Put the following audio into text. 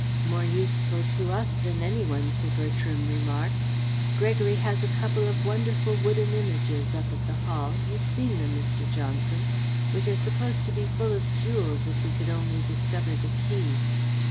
"More useful to us than any one," Sir Bertram remarked. "Gregory has a couple of wonderful wooden Images up at the Hall you've seen them, Mr. Johnson which are supposed to be full of jewels if we could only discover the key.